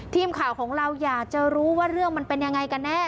ทีมข่าวของเราอยากจะรู้ว่าเรื่องมันเป็นยังไงกันแน่